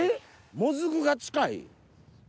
もずくが近い？